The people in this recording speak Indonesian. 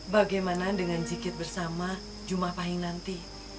bagaimana dengan jikit bersama jumah pahing nanti